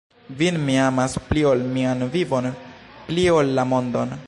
Vin mi amas pli ol mian vivon, pli ol la mondon.